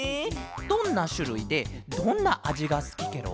どんなしゅるいでどんなあじがすきケロ？